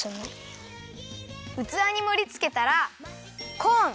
うつわにもりつけたらコーン。